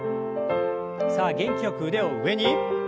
さあ元気よく腕を上に。